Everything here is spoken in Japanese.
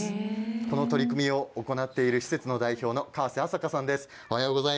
この取り組みを行っている施設の代表の河瀬麻花さんです。